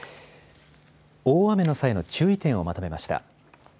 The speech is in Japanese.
大雨の際の注意点をまとめました。